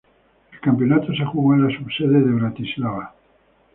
El campeonato se jugó en la subsede de Bratislava.